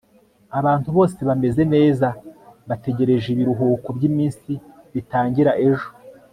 Abantu bose bameze neza bategereje ibiruhuko byiminsi bitangira ejo